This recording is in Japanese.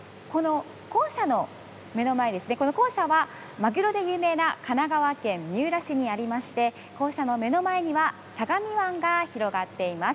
この校舎は、マグロで有名な神奈川県三浦市にありまして校舎の目の前には相模湾が広がっています。